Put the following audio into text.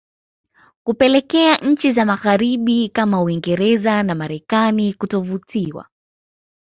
kupelekea nchi za magharibi kama Uingereza na Marekani kutovutiwa